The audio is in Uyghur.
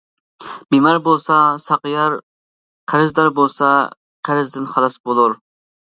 بىمار بولسا ساقىيار، قەرزدار بولسا قەرزدىن خالاس بولۇر.